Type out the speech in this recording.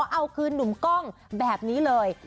เอาคืนหนุ่มกล้องแบบนี้เลย